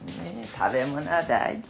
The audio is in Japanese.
食べ物は大事よ。